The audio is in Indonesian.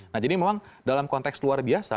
nah jadi memang dalam konteks luar biasa